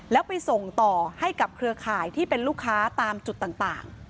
แล้วไปส่งต่อให้กับเครือข่ายที่เป็นลูกค้าตามจุดต่าง